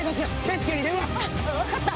分かった！